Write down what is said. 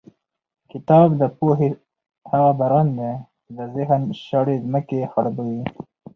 کتاب د پوهې هغه باران دی چې د ذهن شاړې ځمکې خړوبوي.